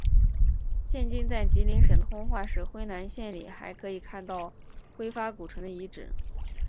现今在吉林省通化市辉南县里还可以见到辉发古城的遗址。